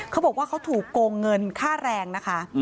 เขาบอกว่าเขาถูกโกงเงินค่าแรงนะคะ